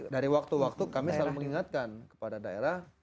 dari waktu waktu kami selalu mengingatkan kepada daerah